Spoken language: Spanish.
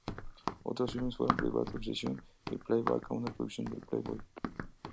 Otros filmes fueron "Private Obsession" y "Playback", una producción de "Playboy".